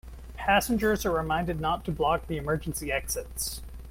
Passengers are reminded not to block the emergency exits.